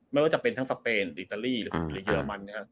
ไม่ว่าจะเป็นทั้งสเปนอิตาลีหรือเยอรมัน